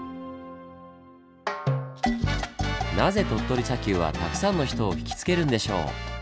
なぜ鳥取砂丘はたくさんの人をひきつけるんでしょう？